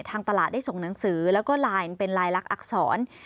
ทางตลาดได้ส่งหนังสือแล้วก็ไลน์เป็นลายลักษณอักษร